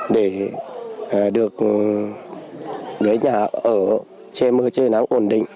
được giới nhà ở chê mưa chê nắng ổn định